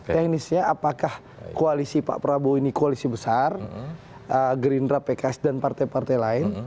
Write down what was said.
teknisnya apakah koalisi pak prabowo ini koalisi besar gerindra pks dan partai partai lain